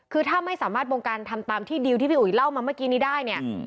คือถ้าไม่สามารถบงการทำตามที่ดิวที่พี่อุ๋ยเล่ามาเมื่อกี้นี้ได้เนี่ย